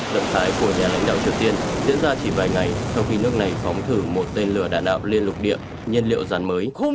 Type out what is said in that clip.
động thái của nhà lãnh đạo triều tiên diễn ra chỉ vài ngày sau khi nước này phóng thử một tên lửa đạn đạo liên lục địa nhân liệu rắn mới